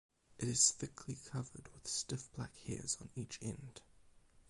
It is thickly covered with stiff black hairs on each end.